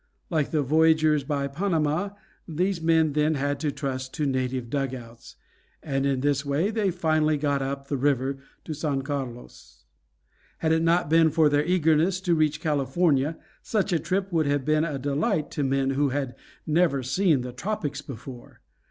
Like the voyagers by Panama, these men then had to trust to native dugouts, and in this way they finally got up the river to San Carlos. Had it not been for their eagerness to reach California such a trip would have been a delight to men who had never seen the tropics before.